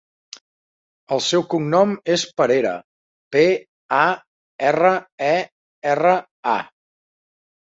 El seu cognom és Parera: pe, a, erra, e, erra, a.